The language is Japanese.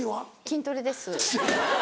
筋トレです。